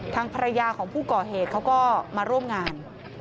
ทางภรรยาของผู้ก่อเหตุเขาก็มาร่วมงาน